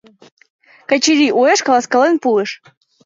Качырий уэш каласкален пуыш.